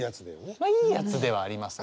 まあいいやつではありますね。